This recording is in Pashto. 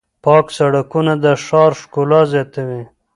پاک سړکونه د ښار ښکلا زیاتوي.